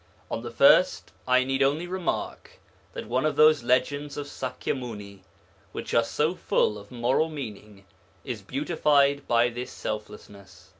On the first, I need only remark that one of those legends of Sakya Muni, which are so full of moral meaning, is beautified by this selflessness.